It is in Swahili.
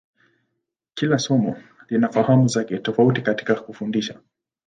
Kila somo lina fahamu zake tofauti katika kufundisha.